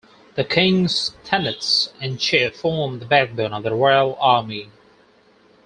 The king's tenants-in-chief formed the backbone of the royal army.